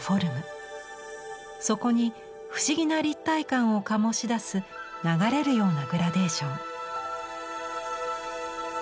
そこに不思議な立体感を醸し出す流れるようなグラデーション。